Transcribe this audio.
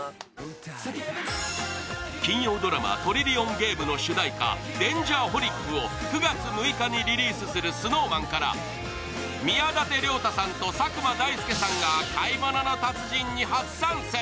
金曜ドラマ「トリリオンゲーム」の主題歌、「Ｄａｎｇｅｒｈｏｌｉｃ」を９月６日にリリースするＳｎｏｗＭａｎから宮舘涼太さんと佐久間大介さんが「買い物の達人」に初参戦。